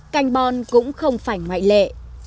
canh bon cũng không phải ngoại lệ